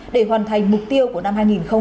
để hoàn thành mục tiêu của năm hai nghìn hai mươi